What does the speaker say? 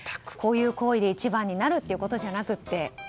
こういう行為で一番になるっていうことじゃなくて。